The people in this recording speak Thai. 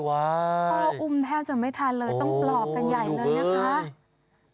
พ่ออุ้มแทบจะไม่ทันเลยต้องปลอบกันใหญ่เลยนะคะ